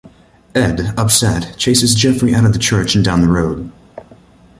Ed, upset, chases Jeffrey out of the church and down the road.